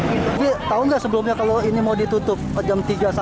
ini kan jadinya ribet ya mas